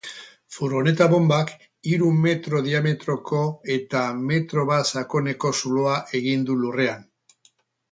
Furgoneta-bonbak hiru metro diametroko eta metro bat sakoneko zuloa egin du lurrean.